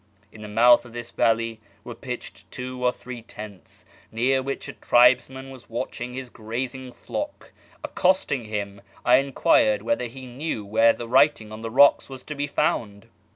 In the mouth of this valley were pitched two or three tents, near which a tribesman was watching his grazing flock. Accosting him, I enquired whether he knew where the writing on the rocks was to be found.